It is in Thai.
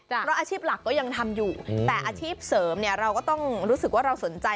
เพราะอาชีพหลักก็ยังทำอยู่แต่อาชีพเสริมเนี่ยเราก็ต้องรู้สึกว่าเราสนใจ